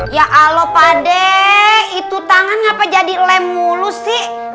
ya aloh pade itu tangan kenapa jadi lem mulu sih